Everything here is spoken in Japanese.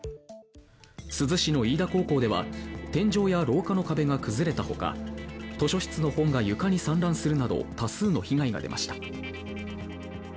珠洲市の飯田高校では天井や廊下の壁が崩れたほか図書室の本が床に散乱するなど多数の被害が出ました。